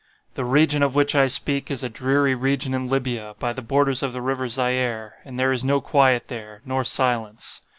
"The region of which I speak is a dreary region in Libya, by the borders of the river Zaire. And there is no quiet there, nor silence.